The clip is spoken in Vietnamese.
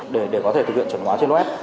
để có thể thực hiện chuẩn hóa trên web